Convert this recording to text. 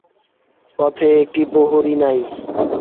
পথে একটি প্রহরী নাই।